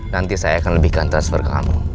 nanti saya akan lebihkan transfer ke kamu